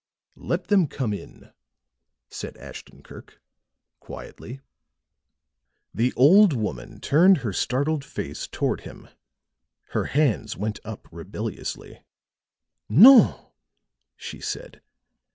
"Let them come in," said Ashton Kirk, quietly. The old woman turned her startled face toward him; her hands went up rebelliously. "No," she said.